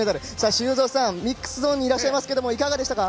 修造さん、ミックスゾーンにいらっしゃいますがいかがですか。